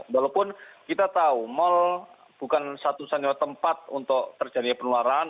walaupun kita tahu mal bukan satu satunya tempat untuk terjadinya penularan